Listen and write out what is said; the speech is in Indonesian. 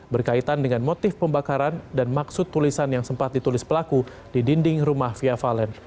berkaitan dengan motif pembakaran dan maksud tulisan yang sempat ditulis pelaku di dinding rumah fia valen